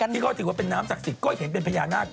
ที่เขาถือว่าเป็นน้ำศรักษมณ์ก็ก็เห็นเป็นพญานาค